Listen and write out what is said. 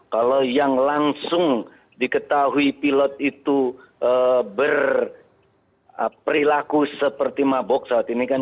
kalau yang langsung diketahui pilot itu berperilaku seperti mabok saat ini kan